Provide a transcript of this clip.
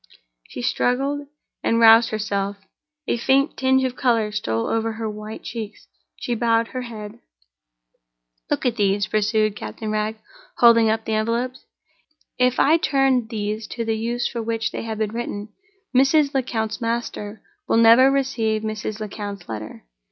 She struggled, and roused herself—a faint tinge of color stole over her white cheeks—she bowed her head. "Look at these," pursued Captain Wragge, holding up the envelopes. "If I turn these to the use for which they have been written, Mrs. Lecount's master will never receive Mrs. Lecount's letter.